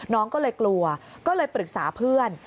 น้องก็เลยกลัวก็เลยปรึกษาเพื่อน